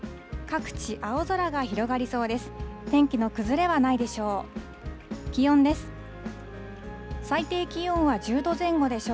各地、青空が広がりそうです。